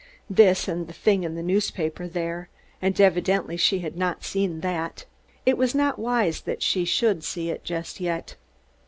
This, and the thing in the newspaper there! And evidently she had not seen that! It was not wise that she should see it just yet.